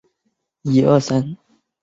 萨莱尚。